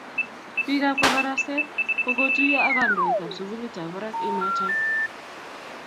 Pik ab kabarastet ko kotuyo ak kandoik ab sikulit ab barak inoton